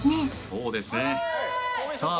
そうですねさあ